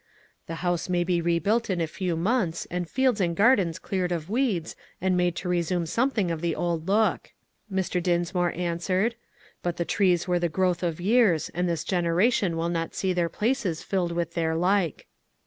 "The house may be rebuilt in a few months, and fields and gardens cleared of weeds, and made to resume something of the old look," Mr. Dinsmore answered; "but the trees were the growth of years, and this generation will not see their places filled with their like."